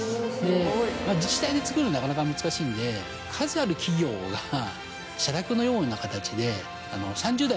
自治体でつくるのはなかなか難しいんで数ある企業が社宅のような形で。